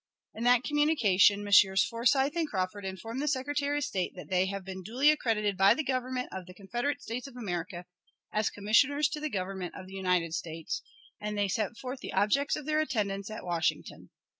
In that communication Messrs. Forsyth and Crawford inform the Secretary of State that they have been duly accredited by the Government of the Confederate States of America as commissioners to the Government of the United States, and they set forth the objects of their attendance at Washington.